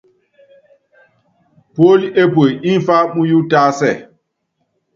Puólí epue ḿfá muyu tásɛ.